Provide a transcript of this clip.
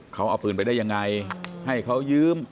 เขาเอาปืนไปได้ยังไงให้เขายืม